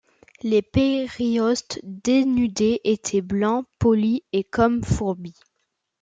Les périostes dénudés étaient blancs, polis, et comme fourbis.